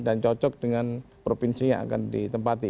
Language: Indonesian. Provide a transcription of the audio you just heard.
dan cocok dengan provinsi yang akan ditempati